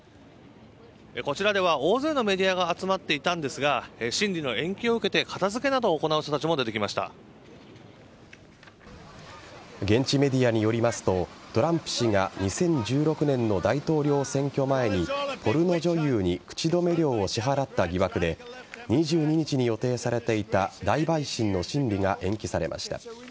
こちらでは大勢のメディアが集まっていたんですが審理の延期を受けて片付けなどを行う人たちも現地メディアによりますとトランプ氏が２０１６年の大統領選挙前にポルノ女優に口止め料を支払った疑惑で２２日に予定されていた大陪審の審理が延期されました。